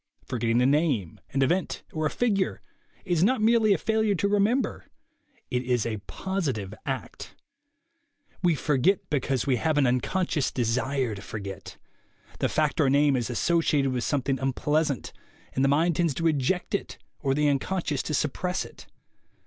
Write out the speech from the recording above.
Forgetting a name, an event or a figure, is not merely failure to remember; it is a positive act. We forget be cause we have an unconscious desire to forget; the fact or name is associated with something unpleas ant, and the mind tends to eject it or the uncon scious to suppress it.